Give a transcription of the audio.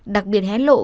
đặc biệt hé lộ